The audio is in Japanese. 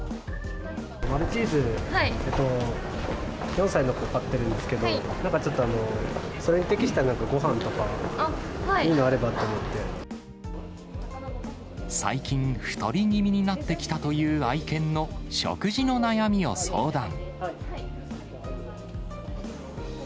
マルチーズ、４歳の子、飼ってるんですけど、なんかちょっと、それに適したごはんとか、最近太り気味になってきたという愛犬の食事の悩みを相談。